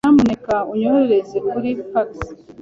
Nyamuneka unyohereze kuri fax.